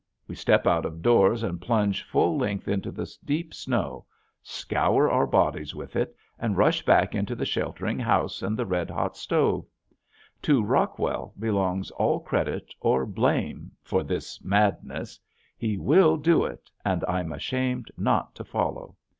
We step out of doors and plunge full length into the deep snow, scour our bodies with it, and rush back into the sheltering house and the red hot stove. To Rockwell belongs all credit, or blame, for this madness. He will do it and I'm ashamed not to follow.